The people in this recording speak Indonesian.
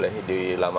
ini untuk apa